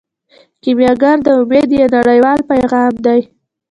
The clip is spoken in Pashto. کیمیاګر د امید یو نړیوال پیغام دی.